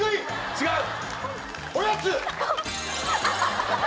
違う！